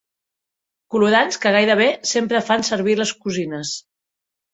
Colorants que gairebé sempre fan servir les cosines.